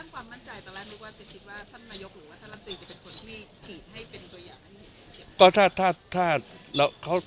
คุณคิดว่าท่านนายกหรือว่าท่านลัมตี